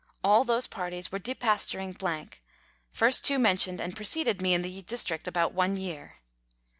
All those parties were depasturing 3 first two mentioned and preceded me in the district about one year.